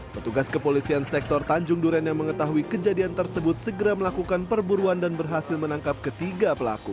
petugas kepolisian sektor tanjung duren yang mengetahui kejadian tersebut segera melakukan perburuan dan berhasil menangkap ketiga pelaku